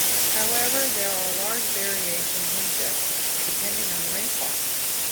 However, there are large variations in depth depending on the rainfall.